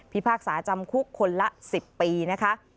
พากษาจำคุกคนละ๑๐ปีนะคะ